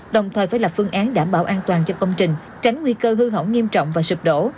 đồng thời phải lập phương án đảm bảo an toàn cho công trình tránh nguy cơ hư hỏng nghiêm trọng và sụp đổ